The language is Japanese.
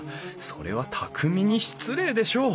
それは匠に失礼でしょう！